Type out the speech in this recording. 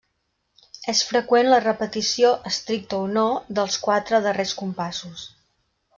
És freqüent la repetició -estricta o no- dels quatre darrers compassos.